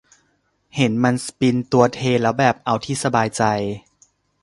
เห็นมันสปินตัวเทแล้วแบบ เอาที่สบายใจ ????